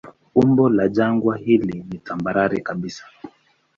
Umbo la jangwa hili ni tambarare kabisa.